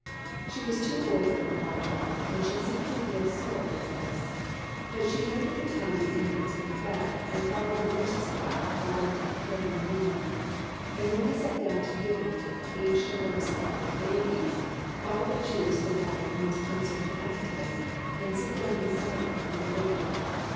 She was too old for a bottle, and she seemed to feel sore over this. But she noted the time the infants were fed, and followed the nurses about while they were preparing the meal; and when they sat down to give it, each to her respective baby, Bala would choose the one of most uncertain appetite, and sit down beside it and wait.